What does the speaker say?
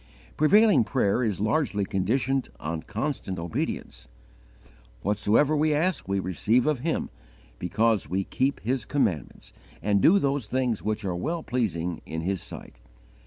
Prevailing prayer is largely conditioned on constant obedience. "Whatsoever we ask we receive of Him, because we keep His commandments, and do those things which are well pleasing in His sight."